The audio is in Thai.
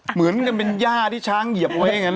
เหมือนกับเป็นย่าที่ช้างเหยียบเอาไว้อย่างนั้น